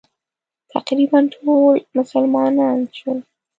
تقریباً ټول مسلمانان شول.